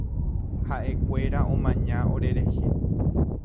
Ha’ekuéra omaña orerehe.